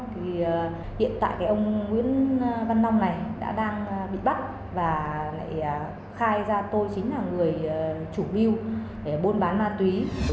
thì hiện tại cái ông nguyễn văn long này đã đang bị bắt và lại khai ra tôi chính là người chủ mưu để buôn bán ma túy